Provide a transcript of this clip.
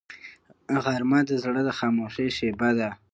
غرمه د زړه د خاموشۍ شیبه ده